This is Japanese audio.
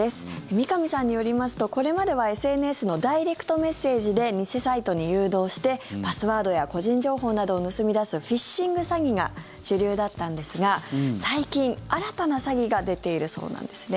三上さんによりますとこれまではＳＮＳのダイレクトメッセージで偽サイトに誘導してパスワードや個人情報などを盗み出すフィッシング詐欺が主流だったんですが最近、新たな詐欺が出ているそうなんですね。